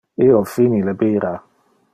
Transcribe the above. Io fini le bira.